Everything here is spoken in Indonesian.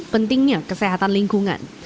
pentingnya kesehatan lingkungan